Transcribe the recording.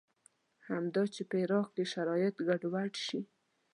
همدا چې په عراق کې شرایط ګډوډ شي.